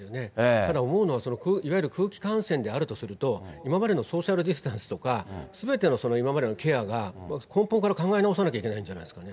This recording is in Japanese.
ただ思うのは、いわゆる空気感染であるとすると、今までのソーシャルディスタンスとか、すべての今までのケアが、根本から考え直さなきゃいけないんじゃないですかね。